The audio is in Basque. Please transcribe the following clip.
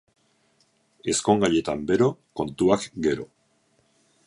Ezkongaietan bero, kontuak gero.